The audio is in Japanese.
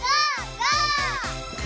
ゴー！